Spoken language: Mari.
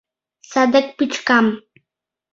— Садак пӱчкам!